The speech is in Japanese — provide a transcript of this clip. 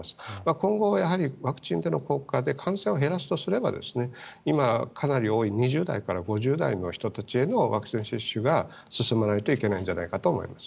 今後、やはりワクチンでの効果で感染を減らすとすれば今、かなり多い２０代から５０代の人たちへのワクチン接種が進まないといけないんじゃないかと思います。